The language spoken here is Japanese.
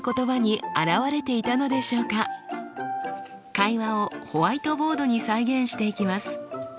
会話をホワイトボードに再現していきます。